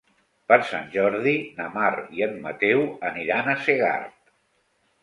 Per Sant Jordi na Mar i en Mateu aniran a Segart.